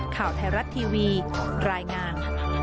ข่าวไทยรัฐทีวีรายงาน